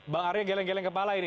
bang arya geleng geleng kepala ini